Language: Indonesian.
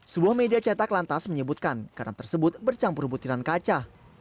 sebuah media cetak lantas menyebutkan garam tersebut bercampur butiran kaca